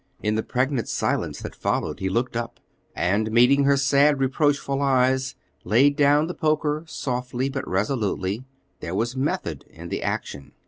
In the pregnant silence that followed he looked up, and meeting her sad, reproachful eyes, laid down the poker softly but resolutely; there was method in the action.